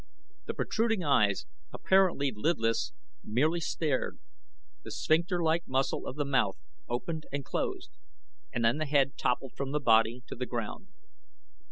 The protruding eyes, apparently lidless, merely stared, the sphincter like muscle of the mouth opened and closed, and then the head toppled from the body to the ground.